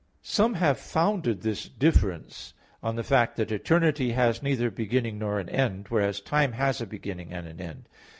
Some have founded this difference on the fact that eternity has neither beginning nor an end; whereas time has a beginning and an end.